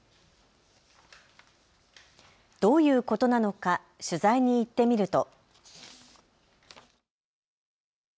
どういうことなのか、取材に行ってみると。